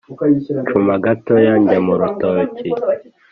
ncuma gatoya njya mu rutoki